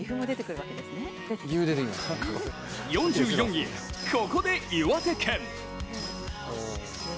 ４４位、ここで岩手県。